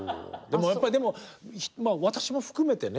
やっぱりでも私も含めてね